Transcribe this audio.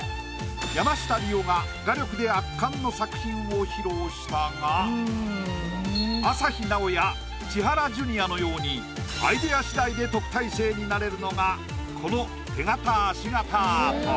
画力で圧巻の作品を披露したが朝日奈央や千原ジュニアのようにアイディア次第で特待生になれるのがこの手形足形アート。